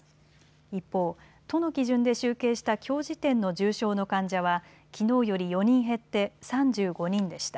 一方、都の基準で集計したきょう時点の重症の患者はきのうより４人減って３５人でした。